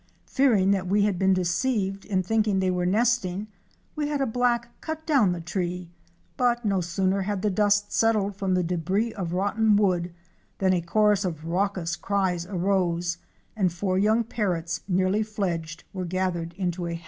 Fearing that we had been deceived in thinking they were nesting we had a black cut down the tree, but no sooner had the dust settled from the débris of rotten wood than a chorus of raucous cries arose, and four young Parrots, nearly fledged, were gathered into a hat.